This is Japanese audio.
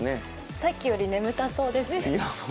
さっきより眠たそうですね。